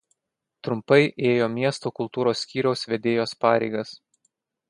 Trumpai ėjo miesto Kultūros skyriaus vedėjos pareigas.